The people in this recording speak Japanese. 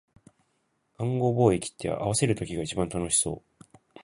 勘合貿易って、合わせる時が一番楽しそう